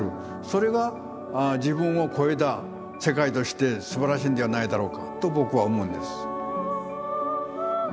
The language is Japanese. それが自分を超えた世界としてすばらしいんではないだろうかと僕は思うんです。